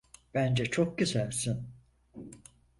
Bence çok güzelsin.